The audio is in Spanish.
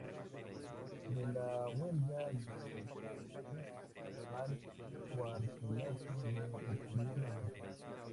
De la huelga de Cananea al cuartelazo de Victoriano Huerta.